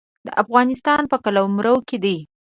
د افغانستان په قلمرو کې دی.